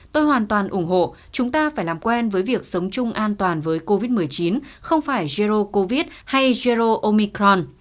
tôi hoàn toàn ủng hộ chúng ta phải làm quen với việc sống chung an toàn với covid một mươi chín không phải jero covid hay jero omicron